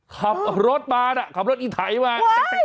ขับรถมาน่ะขับรถอีไถมา